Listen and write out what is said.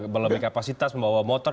belum ada kapasitas membawa motor